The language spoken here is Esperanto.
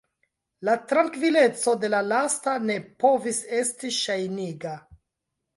La trankvileco de la lasta ne povis esti ŝajniga.